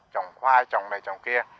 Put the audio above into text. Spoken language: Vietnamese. trồng khoai trồng này trồng kia